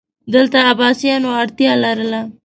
دلته عباسیانو اړتیا لرله